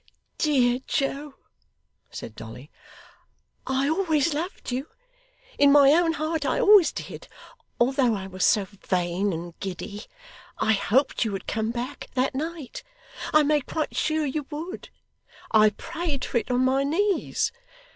'Dear Joe,' said Dolly, 'I always loved you in my own heart I always did, although I was so vain and giddy. I hoped you would come back that night. I made quite sure you would. I prayed for it on my knees.